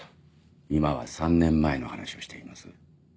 今は３年前の話をしています。